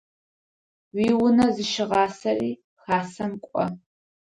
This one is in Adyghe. Уиунэ зыщыгъасэри Хасэм кӏо.